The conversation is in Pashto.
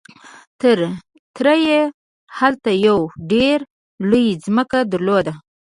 تره يې هلته يوه ډېره لويه ځمکه درلوده.